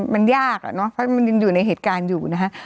มันยากอะเนาะเพราะมันยังอยู่ในเหตุการณ์อยู่นะฮะ